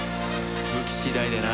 武器次第でな。